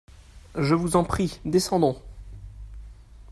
Je vous en prie, descendons.